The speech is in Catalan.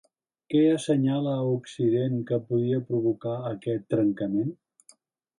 Què assenyala a Occident que podria provocar aquest trencament?